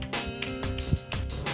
kasih tau saya siapa